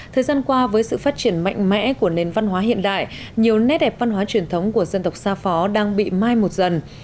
thời gian qua với sự phát triển mạnh mẽ của nền văn hóa hiện đại nhiều nét đẹp văn hóa truyền thống của dân tộc xa phó đang bị mai một dần